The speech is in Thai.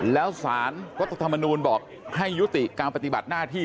แล้วสารรัฐธรรมนูลบอกให้ยุติการปฏิบัติหน้าที่